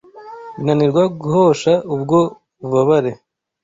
binanirwa guhosha ubwo bubabare